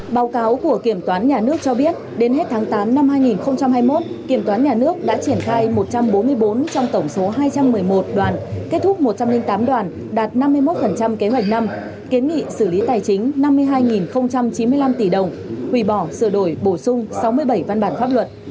báo cáo của kiểm toán nhà nước cho biết đến hết tháng tám năm hai nghìn hai mươi một kiểm toán nhà nước đã triển khai một trăm bốn mươi bốn trong tổng số hai trăm một mươi một đoàn kết thúc một trăm linh tám đoàn đạt năm mươi một kế hoạch năm kiến nghị xử lý tài chính năm mươi hai chín mươi năm tỷ đồng hủy bỏ sửa đổi bổ sung sáu mươi bảy văn bản pháp luật